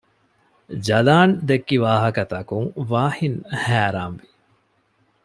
ޖަލާން ދެއްކި ވާހަކަ ތަކުން ވާހިން ހައިރާން ވި